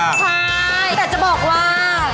ใช่แต่จะบอกว่า